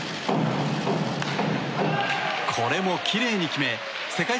これもきれいに決め世界